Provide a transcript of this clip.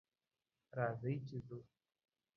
راځئ چې ځو!